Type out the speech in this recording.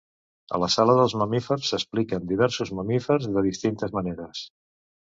A la Sala dels mamífers s'expliquen diversos mamífers de distintes maneres.